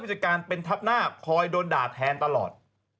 จัดการเป็นทับหน้าคอยโดนด่าแทนตลอด